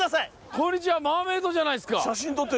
こんにちはマーメイドじゃないですか。